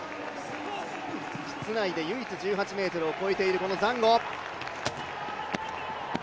室内で唯一１８ｍを越えているこのザンゴ。